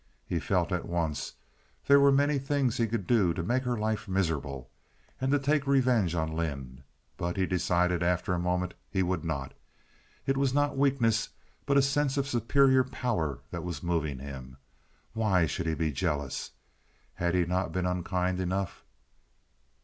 He felt at once there were many things he could do to make her life miserable, and to take revenge on Lynde, but he decided after a moment he would not. It was not weakness, but a sense of superior power that was moving him. Why should he be jealous? Had he not been unkind enough?